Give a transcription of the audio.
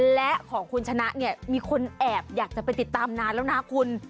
และของคุณชนะเนี่ยมีคนแอบอยากจะไปติดตามนานแล้วนะคุณ